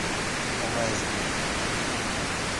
Оҥайже мо?